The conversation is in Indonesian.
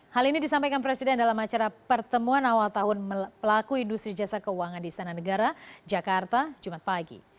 hal ini disampaikan presiden dalam acara pertemuan awal tahun pelaku industri jasa keuangan di istana negara jakarta jumat pagi